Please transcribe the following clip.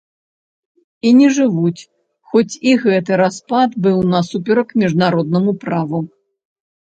І не жывуць, хоць і гэты распад быў насуперак міжнароднаму праву.